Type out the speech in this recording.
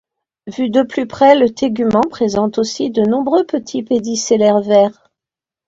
Vu de plus près, le tégument présente aussi de nombreux petits pédicellaires verts.